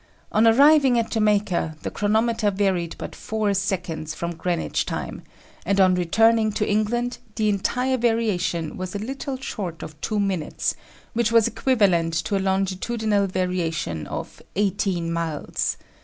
On arriving at Jamaica, the chronometer varied but four seconds from Greenwich time, and on returning to England the entire variation was a little short of two minutes; which was equivalent to a longitudinal variation of eighteen miles.